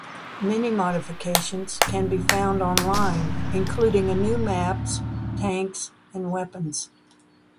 Many modifications can be found online, including new maps, tanks, and weapons.